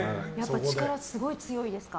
力、すごい強いですか？